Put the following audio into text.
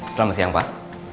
selamat siang pak